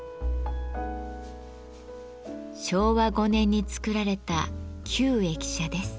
昭和５年に造られた旧駅舎です。